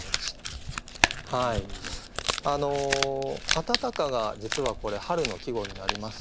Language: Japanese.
「あたたか」が実はこれ春の季語になります。